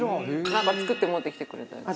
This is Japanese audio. なんか作って持ってきてくれたやつ。